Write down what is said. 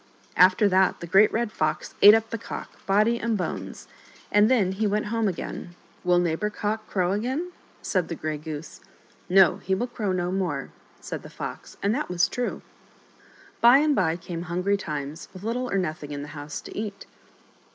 After that the Great Red Fox ate up the Cock, body and bones, and then he went home again. " Will Neighbor Cock crow again ?" said the Grey Goose. " No ; he will crow no more," said the Fox ; and that was true. By and by came hungry times, with little or nothing in the house to eat.